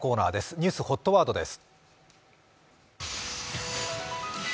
ニュースＨＯＴワードです。